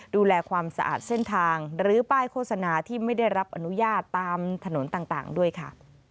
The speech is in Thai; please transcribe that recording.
ดูแลความสะอาดเส้นทางหรือป้ายโฆษณาที่ไม่ได้รับอนุญาตตามถนนต่างด้วยค่ะ